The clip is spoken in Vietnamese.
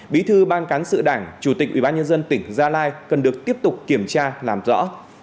bí thư ban cán sự đảng chủ tịch ủy ban nhân dân tỉnh gia lai cần được tiếp tục kiểm tra làm rõ